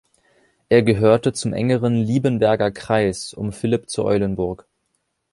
Er gehörte zum engeren „Liebenberger Kreis“ um Philipp zu Eulenburg.